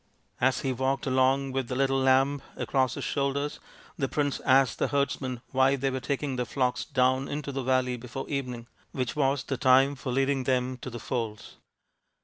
^ As he walked along with the little lamb across his shoulders, the prince asked the herdsmen why they were taking their flocks down into the valley before evening, which was the time for leading them to the folds.